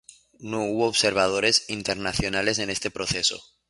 No hubo observadores internacionales en este proceso.